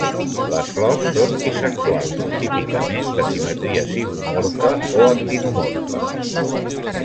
Les flors són bisexuals típicament de simetria zigomorfa o actinomorfa.